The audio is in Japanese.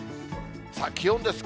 さあ、気温です。